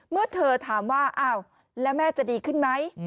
เมื่อเธอถามว่าอ้าวแล้วแม่จะดีขึ้นไหม